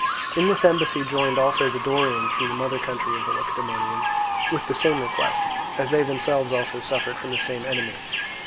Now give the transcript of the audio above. In this embassy joined also the Dorians from the mother country of the Lacedaemonians, with the same request, as they themselves also suffered from the same enemy.